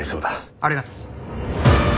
ありがとう。